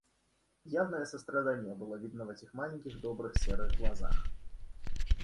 Явное сострадание было видно в этих маленьких добрых серых глазах.